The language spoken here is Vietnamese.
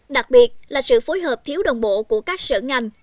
đặc biệt là sự phối hợp thiếu đồng bộ của các sở ngành